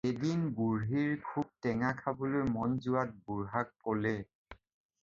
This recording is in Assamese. এদিন বুঢ়ীৰ খুব টেঙা খাবলৈ মন যোৱাত বুঢ়াক ক'লে।